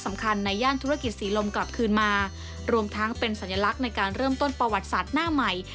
สำคัญในย่านธุรกิจสีลมกลับคืนมารวมทั้งเป็นสัญลักษณ์ในการเริ่มต้นประวัติศาสตร์หน้าใหม่